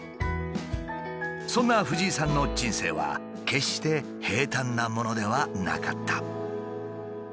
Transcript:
そんな藤井さんの人生は決して平たんなものではなかった。